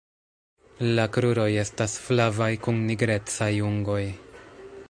La kruroj estas flavaj kun nigrecaj ungoj.